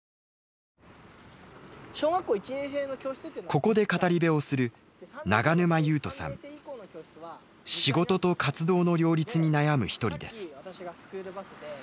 ここで語り部をする仕事と活動の両立に悩む一人です。